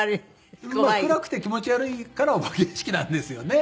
暗くて気持ち悪いからお化け屋敷なんですよね。